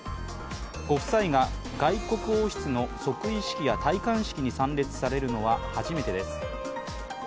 ご夫妻が外国王室の即位式や戴冠式に参列されるのは初めてです。